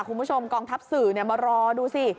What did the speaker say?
คุณผู้ชมกองทัพสื่อเนี่ยมารอดูสิ